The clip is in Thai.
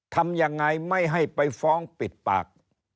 ทำยังไงไม่ให้ไปฟ้องปิดปาก